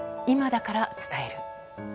今だから伝える」。